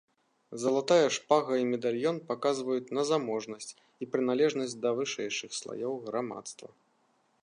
Залатая шпага і медальён паказваюць на заможнасць і прыналежнасць да вышэйшых слаёў грамадства.